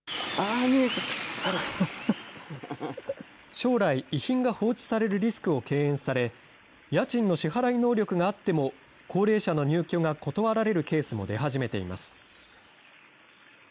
将来、遺品が放置されるリスクを敬遠され、家賃の支払い能力があっても、高齢者の入居が断られるケースも出始めています。